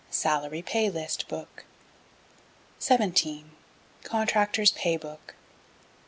Salary Pay List Book. 17. Contractors Pay Book.